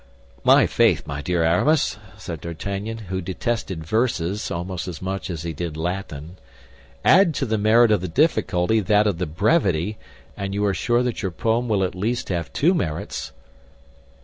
"My faith, my dear Aramis," said D'Artagnan, who detested verses almost as much as he did Latin, "add to the merit of the difficulty that of the brevity, and you are sure that your poem will at least have two merits."